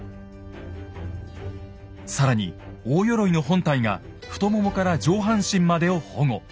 更に大鎧の本体が太ももから上半身までを保護。